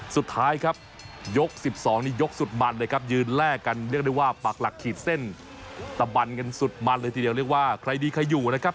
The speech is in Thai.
สุดท้ายครับยก๑๒นี่ยกสุดมันเลยครับยืนแลกกันเรียกได้ว่าปักหลักขีดเส้นตะบันกันสุดมันเลยทีเดียวเรียกว่าใครดีใครอยู่นะครับ